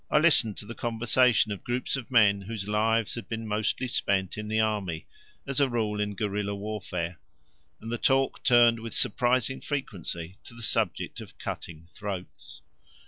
I listened to the conversation of groups of men whose lives had been mostly spent in the army, as a rule in guerilla warfare, and the talk turned with surprising frequency to the subject of cutting throats.